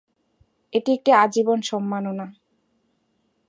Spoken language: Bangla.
এটি একটি আজীবন সম্মাননা।